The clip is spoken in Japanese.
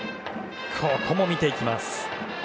ここも見ていきます。